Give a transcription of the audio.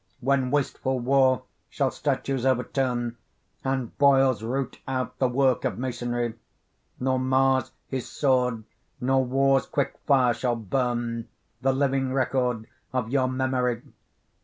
When wasteful war shall statues overturn, And broils root out the work of masonry, Nor Mars his sword, nor war's quick fire shall burn The living record of your memory.